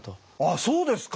そうですか。